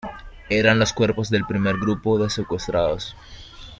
Eran los cuerpos del primer grupo de secuestrados.